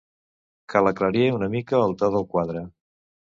Cal aclarir una mica el to del quadre.